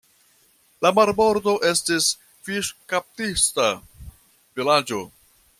La marbordo estis fiŝkaptista vilaĝo.